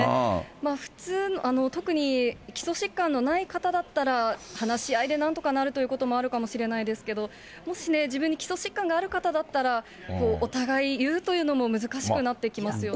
普通、特に基礎疾患のない方だったら、話し合いでなんとかなるということもあるかもしれないですが、もしね、自分に基礎疾患がある方だったら、お互い言うというのも難しくなってきますよね。